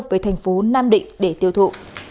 về thành phố nam định để tiêu thụ